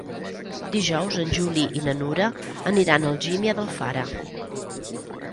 Dijous en Juli i na Nura aniran a Algímia d'Alfara.